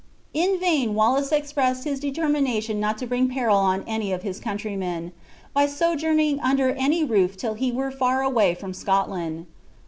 In vain Wallace expressed his determination not to bring peril on any of his countrymen, by sojourning under any roof till he were far away from Scotland.